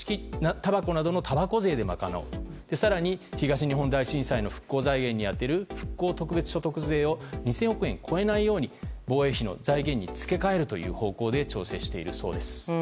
たばこなどのたばこ税で賄おうと更に、東日本大震災の復興財源に充てる復興特別所得税を２０００億円超えないように防衛費の財源に付け替える方向で調整しているそうです。